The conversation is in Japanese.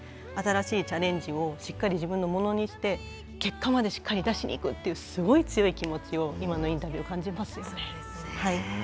新しいチャレンジをしっかり自分のものにして結果までしっかり出しに行くというすごい強い気持ちを今のインタビューで感じますよね。